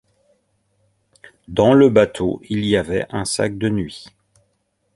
Dans le bateau il y avait un sac de nuit.